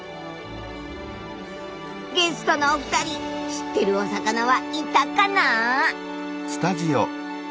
ゲストのお二人知ってるお魚はいたかな？